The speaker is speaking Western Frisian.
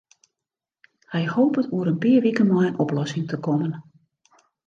Hy hopet oer in pear wiken mei in oplossing te kommen.